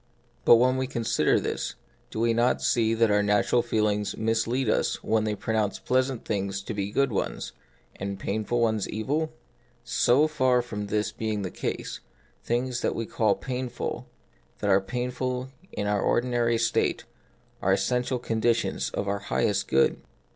But when we consider this, do we not see that our natural feelings mislead us when they pronounce pleasant things to be the good ones, and the painful ones evil ? So far from this being the case, things that we call painful, that are painful in our ordinary state, are essential conditions of our highest good.